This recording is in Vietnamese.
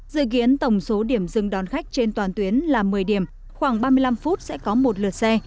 dự kiến tổng số điểm dừng đón khách trên toàn tuyến là một mươi điểm khoảng ba mươi năm phút sẽ có một lượt xe